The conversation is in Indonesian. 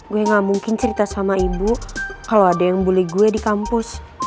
gue gak mungkin cerita sama ibu kalau ada yang bully gue di kampus